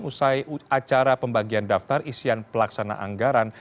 usai acara pembagian daftar isian pelaksana anggaran